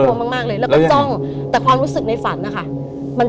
มากมากเลยแล้วก็จ้องแต่ความรู้สึกในฝันนะคะมัน